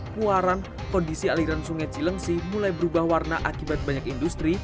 puaran kondisi aliran sungai cilengsi mulai berubah warna akibat banyak industri